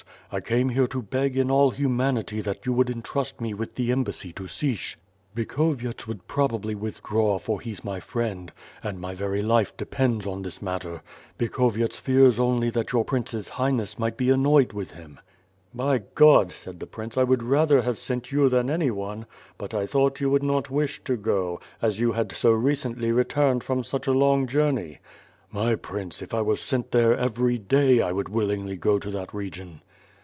I came here to beg in all humanity that you would entrust me with the embassy to Sich. Bikhovyets would probably withdraw, for he's my friend; and my very life depends on this matter. Bikhovyets fears only that your Prince's Highness might be annoyed with him." "By God," said the Prince, "I would rather have sent you than anyone; but I thought you would not wish to go, as you had so recently returned from such a long journey." "My Prince, if I were sent there every day, I would will ingly go to that region."